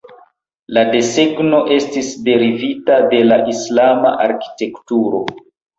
La desegno estis derivita el la Islama arkitekturo.